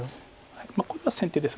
これは先手です。